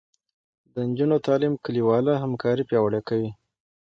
د نجونو تعلیم کلیواله همکاري پیاوړې کوي.